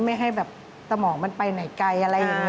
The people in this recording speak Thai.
ไม่ให้แบบสมองมันไปไหนไกลอะไรอย่างนี้